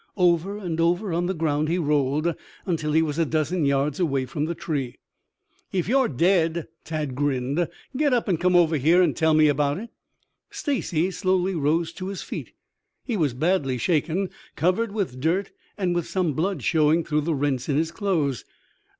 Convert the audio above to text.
Over and over on the ground he rolled until he was a dozen yards away from the tree. "If you're dead," Tad grinned, "get up and come over here, and tell me about it." Stacy slowly rose to his feet. He was badly shaken, covered with dirt and with some blood showing through the rents in his clothes.